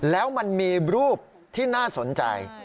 แล้วมันมีรูปที่น่าสนใจ